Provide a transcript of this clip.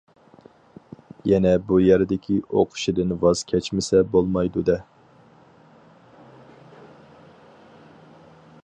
يەنە بۇ يەردىكى ئوقۇشىدىن ۋاز كەچمىسە بولمايدۇ دە.